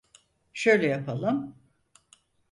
Şöyle yapalım…